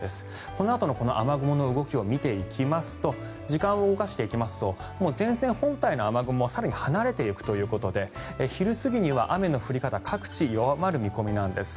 このあとの雨雲の動きを見ていきますと時間を動かしていきますと前線本体の雨雲は更に離れていくということで昼過ぎには雨の降り方各地弱まる見込みなんです。